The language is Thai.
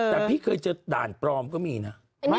แต่พี่เคยเจอด่านปลอมก็มีนะ